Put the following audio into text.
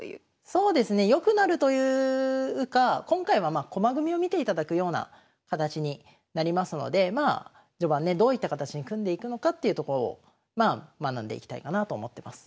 そうですね良くなるというか今回はまあ駒組みを見ていただくような形になりますのでまあ序盤ねどういった形に組んでいくのかっていうところを学んでいきたいかなと思ってます。